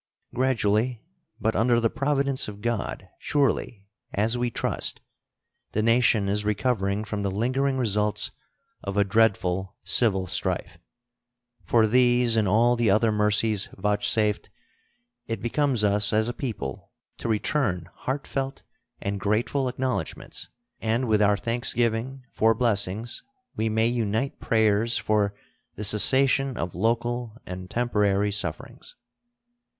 Gradually but, under the providence of God, surely, as we trust, the nation is recovering from the lingering results of a dreadful civil strife. For these and all the other mercies vouchsafed it becomes us as a people to return heartfelt and grateful acknowledgments, and with our thanksgiving for blessings we may unite prayers for the cessation of local and temporary sufferings.